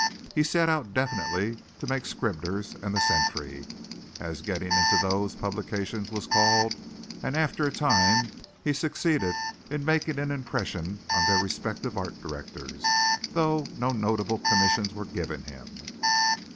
He set out definitely to make Scribner's and the Century, as getting into those publications was called, and after a time he succeeded in making an impression on their respective Art Directors, though no notable commissions were given him.